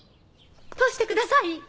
通してください！